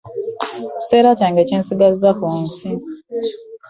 Ekiseera kyange kyensigazizza k nsi .